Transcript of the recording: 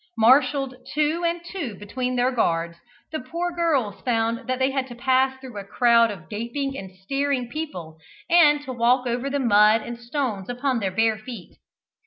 Marshalled two and two between their guards, the poor girls found that they had to pass through a crowd of gaping and staring people, and to walk over the mud and stones upon their bare feet.